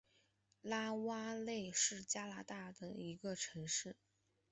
拉瓦勒是加拿大的一个城市。